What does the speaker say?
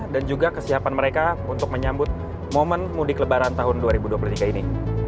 dan juga kesiapan mereka untuk menyambut momen mudik lebaran tahun dua ribu dua puluh tiga ini